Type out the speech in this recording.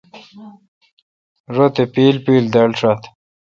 رت اے° پیل پیل دال۔ شات۔